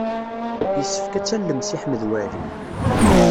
Yessefk ad tallem Si Ḥmed Waɛli.